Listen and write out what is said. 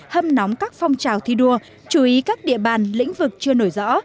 hâm nóng các phong trào thi đua chú ý các địa bàn lĩnh vực chưa nổi rõ